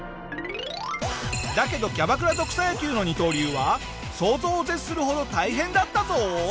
だけどキャバクラと草野球の二刀流は想像を絶するほど大変だったぞ！